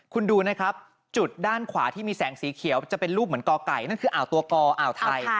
คุณดูนะครับจุดด้านขวาที่มีแสงสีเขียวจะเป็นรูปเหมือนกอไก่นั่นคืออ่าวตัวกออ่าวไทย